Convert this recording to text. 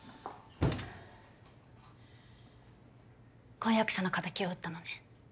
婚約者の敵を討ったのね。